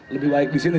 lebih baik disini